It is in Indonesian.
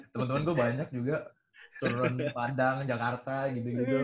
teman teman gue banyak juga turun padang jakarta gitu gitu